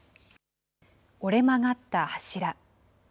折れ曲がった柱。